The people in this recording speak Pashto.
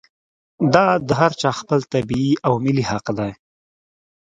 دا د هر چا خپل طبعي او ملي حق دی.